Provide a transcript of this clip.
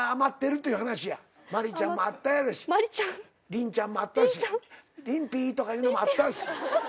「りんちゃん」もあったし「りんぴー」とかいうのもあったし。